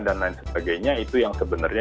lain sebagainya itu yang sebenarnya